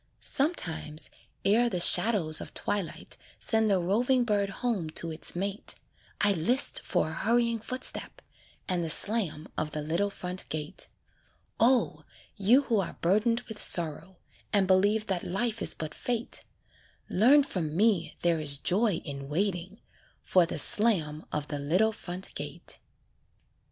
Sometimes, ere the shadows of twilight Send the roving bird home to its mate, I list for a hurrying footstep, And the slam of the little front gate. O! you who are burdened with sorrow, And believe that life is but fate, Learn from me there is joy in waiting For the slam of the little front gate.